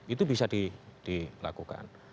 itu bisa dilakukan